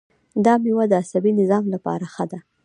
دا میوه د عصبي نظام لپاره ښه ده.